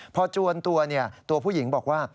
พอจวนตัวตัวผู้หญิงบอกว่า